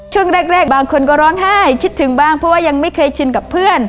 ช่วงแรกบางคนก็ร้องไห้คิดถึงบ้างเพราะว่ายังไม่เคยชินกับเพื่อน